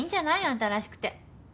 あんたらしくて。